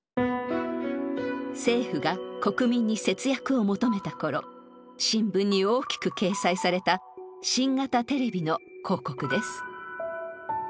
政府が国民に節約を求めた頃新聞に大きく掲載された新型テレビの広告です。